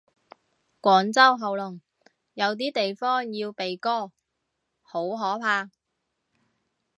廣州喉嚨，有啲地方要鼻哥，好可怕。